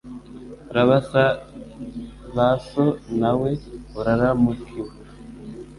Urabasa ba so Na we uraramukiwe,